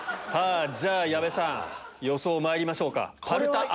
じゃ矢部さん予想まいりましょうか。